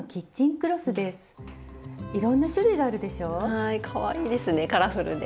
はいかわいいですねカラフルで。